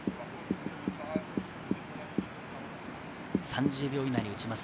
３０秒以内に撃ちます。